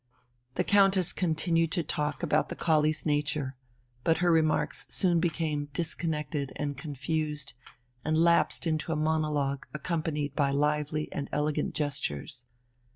The Countess continued to talk about the collie's nature, but her remarks soon became disconnected and confused, and lapsed into a monologue accompanied by lively and elegant gestures.